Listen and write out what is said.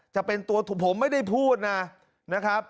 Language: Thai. จะเป็นตัวผมไม่ได้พูดนะ